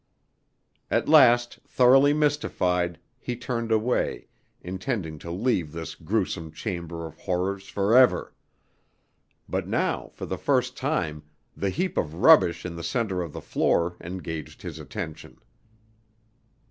At last, thoroughly mystified, he turned away, intending to leave this grewsome chamber of horrors forever; but now for the first time the heap of rubbish in the center of the floor engaged his attention.